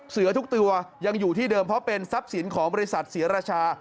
เสือทุกตัวยังอยู่ที่เดิมเพราะเป็นซับสินของริสัตว์เสียราชา